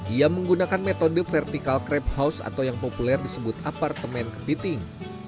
ia menggunakan metode vertikal crab house atau yang populer disebut apartemen kepiting